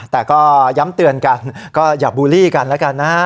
แต่ก็ย้ำเตือนกันอย่าบูลีกันนะ